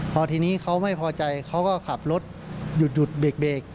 พอทีนี้เขาไม่พอใจเขาก็ขับรถหยุดเบรก